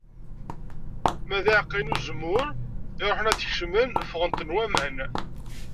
Ma d iεeqqayen n uzemmur i iruḥen ad kemcen, fγen-ten waman.